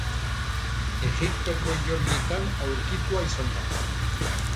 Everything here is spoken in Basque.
Egiptoko hilobietan aurkitua izan da.